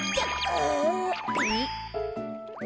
あえっ！？